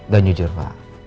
dan jujur pak